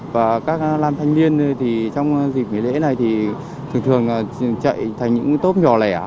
và các làm thanh niên trong dịp nghỉ lễ này thường thường chạy thành những tốp nhỏ lẻ